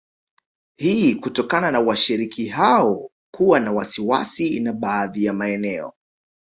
Hii kutokana na washiriki hao kuwa na wasiwasi na baadhi ya maeneo